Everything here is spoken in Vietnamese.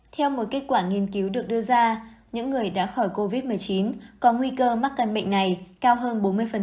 theo một kết quả nghiên cứu được đưa ra những người đã khỏi covid một mươi chín có nguy cơ mắc căn bệnh này cao hơn bốn mươi